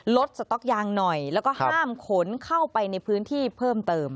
สต๊อกยางหน่อยแล้วก็ห้ามขนเข้าไปในพื้นที่เพิ่มเติม